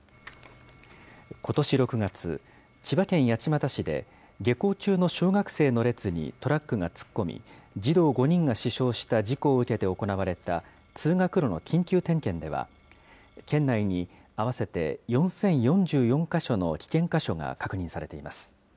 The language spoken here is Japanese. ことし６月、千葉県八街市で、下校中の小学生の列にトラックが突っ込み、児童５人が死傷した事故を受けて行われた通学路の緊急点検では、県内に合わせて４０４４か所の危険箇所が確認されています。